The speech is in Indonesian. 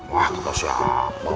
wah kalau siapa